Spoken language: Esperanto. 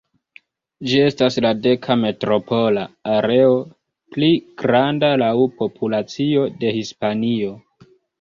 Ĝi estas la deka metropola areo pli granda laŭ populacio de Hispanio.